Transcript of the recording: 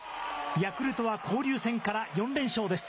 ヤクルトは交流戦から４連勝です。